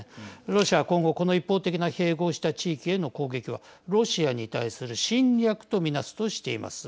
ロシアは今後この一方的な併合をした地域への攻撃はロシアに対する侵略と見なすとしています。